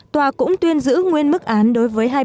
tòa cũng tuyên giữ nguyên mức án đối với hai bị cáo